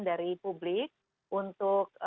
dari publik untuk